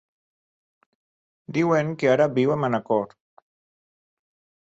Diuen que ara viu a Manacor.